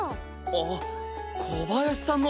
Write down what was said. あっ小林さんの。